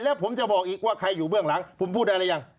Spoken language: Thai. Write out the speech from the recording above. แล้วผมจะบอกอีกว่าใครอยู่เบื้องหลังผมพูดได้หรือยัง